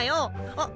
あっ。